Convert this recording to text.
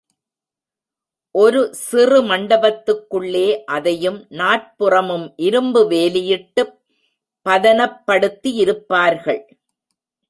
ஒரு சிறு மண்டபத்துக்குள்ளே அதையும் நாற்புறமும் இரும்பு வேலியிட்டுப் பதனப்படுத்தியிருப்பார்கள்.